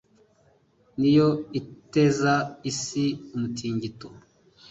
ni yo iteza isi umutingito